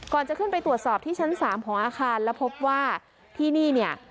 จะขึ้นไปตรวจสอบที่ชั้น๓ของอาคารแล้วพบว่าที่นี่เนี่ย